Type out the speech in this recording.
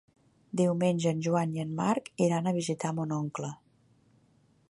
Diumenge en Joan i en Marc iran a visitar mon oncle.